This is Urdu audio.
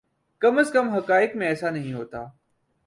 کم از کم حقائق میں ایسا نہیں ہوتا۔